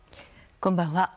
こんばんは。